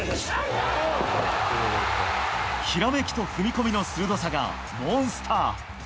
ひらめきと踏み込みの鋭さがモンスター。